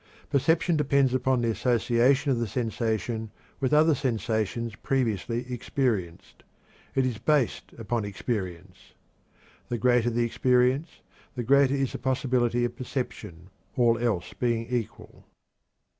Perception depends upon association of the sensation with other sensations previously experienced; it is based upon experience. The greater the experience, the greater is the possibility of perception, all else being equal.